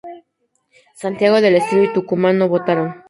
Santiago del Estero y Tucumán no votaron.